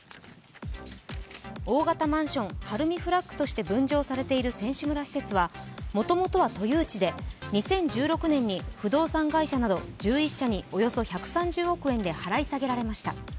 大型マンションＨＡＲＵＭＩＦＬＡＧとして分乗されているマンションはもともとは都有地で２０１６年に不動産会社などおよそ１３０億円で払い下げられました。